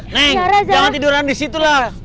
neng jangan tiduran disitu lah